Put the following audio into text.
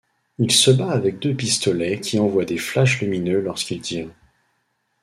Il se bat avec deux pistolets qui envoient des flashs lumineux lorsqu'il tire.